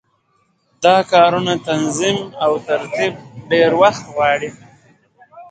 دا کارونه تنظیم او ترتیب ډېر وخت غواړي.